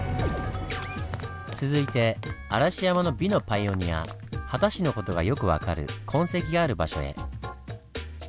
続いて嵐山の美のパイオニア秦氏の事がよく分かる痕跡がある場所へ。